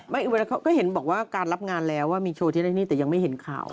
เวลาเขาก็เห็นบอกว่าการรับงานแล้วว่ามีโชว์ที่นั่นนี่แต่ยังไม่เห็นข่าว